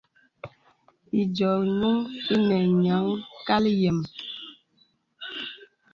Ediórī gnūŋ inə nīəŋ kal yēm.